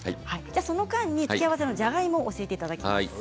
その間に付け合わせのじゃがいもを教えていただきます。